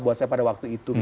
buat saya pada waktu itu